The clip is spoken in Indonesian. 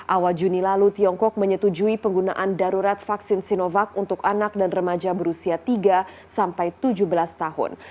awal juni lalu tiongkok menyetujui penggunaan darurat vaksin sinovac untuk anak dan remaja berusia tiga sampai tujuh belas tahun